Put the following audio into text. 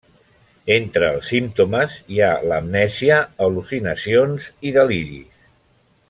Entre els símptomes hi ha l'amnèsia, al·lucinacions i deliris.